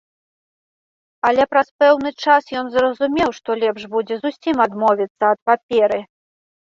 Але праз пэўны час ён зразумеў, што лепш будзе зусім адмовіцца ад паперы.